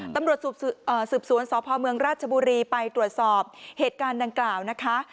ตำรวจสืบสวนสพเมืองราชบุรีไปตรวจสอบเหตุการณ์ดังกล่าวนะคะ